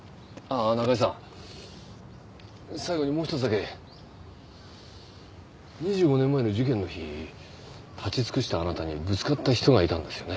あ中井さん最後にもう１つだけ２５年前の事件の日立ち尽くしたあなたにぶつかった人がいたんですよね？